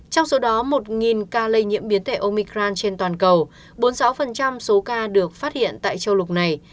trong số đó một ca lây nhiễm biến thể omicran trên toàn cầu bốn mươi sáu số ca được phát hiện tại châu lục này